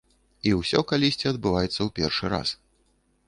І ўсё калісьці адбываецца ў першы раз.